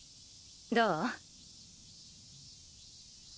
どう？